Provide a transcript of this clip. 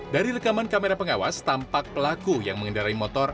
dari rekaman kamera pengawas tampak pelaku yang mengendarai motor